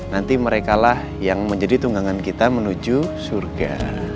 nanti mereka lah yang menjadi tunggangan kita menuju surga